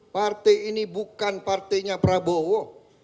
partai ini bukan partainya prabowo